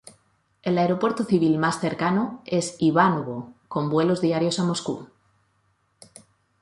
El aeropuerto civil más cercano es Ivánovo, con vuelos diarios a Moscú.